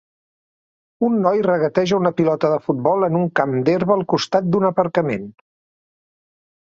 Un noi regateja una pilota de futbol en un camp d'herba al costat d'un aparcament.